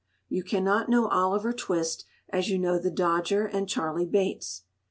You cannot know Oliver Twist as you know the Dodger and Charlie Bates.